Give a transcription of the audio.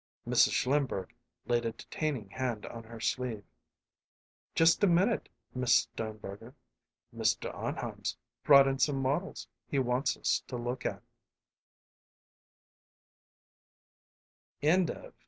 Mrs. Schlimberg laid a detaining hand on her sleeve. "Just a minute, Miss Sternberger. Mr. Arnheim's brought in some models he wants us to look at."